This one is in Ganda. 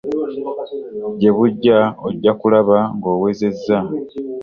Gye bujja ojja kulaba ng'owezezza.